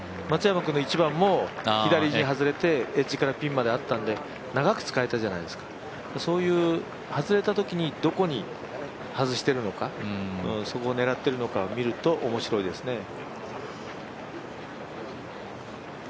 松山の１番も左に外れてエッジからピンまであったんで長く使えたじゃないですかそういう外れたときにどこに外してるのかそこを狙っているのかを見るとおもしろいですね。